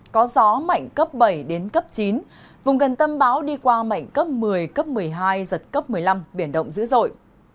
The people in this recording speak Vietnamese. có gió mạnh cấp bảy đến cấp chín vùng gần tâm bão đi qua mạnh cấp một mươi cấp một mươi hai giật cấp một mươi năm biển động dữ dội